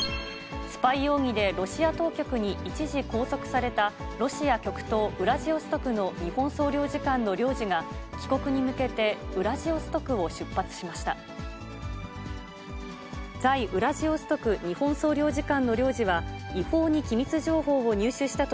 スパイ容疑で、ロシア当局に一時拘束された、ロシア極東ウラジオストクの日本総領事館の領事が、帰国に向けて、ウラジオストクを出発しました。